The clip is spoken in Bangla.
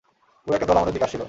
পুরো একটা দল আমাদের দিকে আসছিল।